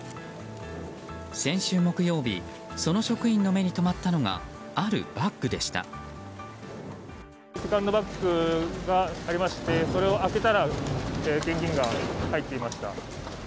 先週木曜日その職員の目に留まったのがあるバッグでした。